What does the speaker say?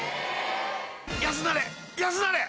安なれ！